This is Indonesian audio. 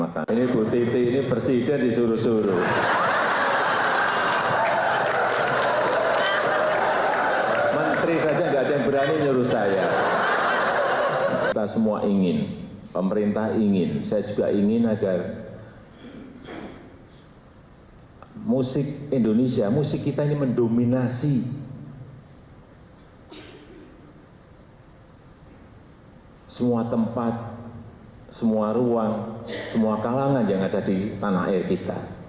saya minta ingin saya juga ingin agar musik indonesia musik kita ini mendominasi semua tempat semua ruang semua kalangan yang ada di tanah air kita